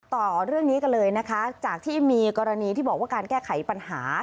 ต่อเรื่องนี้กันเลยนะคะจากที่มีกรณีที่บอกว่าการแก้ไขปัญหา